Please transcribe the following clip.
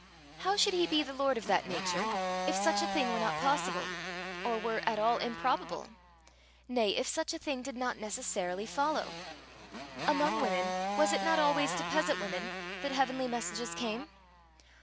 How should he be the Lord of that nature if such a thing were not possible, or were at all improbable nay, if such a thing did not necessarily follow? Among women, was it not always to peasant women that heavenly messages came?